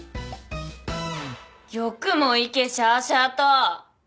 よくもいけしゃあしゃあと！